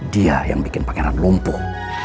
dia yang bikin pakaian lumpuh